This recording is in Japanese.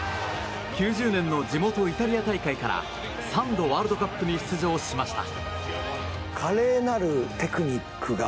９０年の地元イタリア大会から３度ワールドカップに出場しました。